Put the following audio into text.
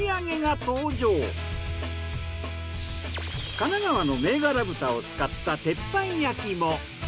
神奈川の銘柄豚を使った鉄板焼きも。